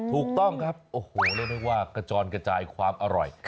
ถูกต้องครับโอ้โหเรียกได้ว่ากระจอนกระจายความอร่อย